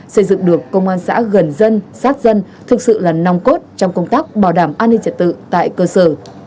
xây dựng được công an xã gần dân sát dân thực sự là nòng cốt trong công tác bảo đảm an ninh trật tự tại cơ sở